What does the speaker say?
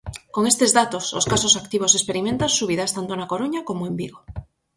Con estes datos, os casos activos experimentan subidas tanto na Coruña como en Vigo.